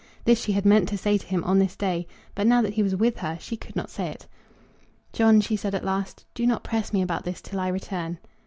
This she had meant to say to him on this day; but now that he was with her she could not say it. "John," she said at last, "do not press me about this till I return."